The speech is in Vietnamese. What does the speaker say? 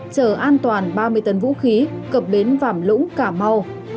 chở an toàn ba mươi tấn vũ khí cập bến vảm lũng cả mau